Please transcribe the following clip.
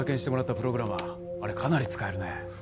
プログラマーあれかなり使えるね。